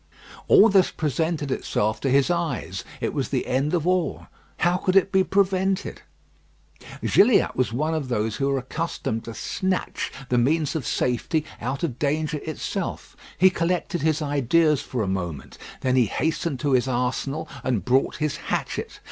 All this presented itself to his eyes. It was the end of all. How could it be prevented? Gilliatt was one of those who are accustomed to snatch the means of safety out of danger itself. He collected his ideas for a moment. Then he hastened to his arsenal and brought his hatchet.